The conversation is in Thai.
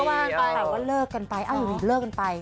แสดงว่าเลิกกันไปอ้าวอยู่ดีเลิกกันไป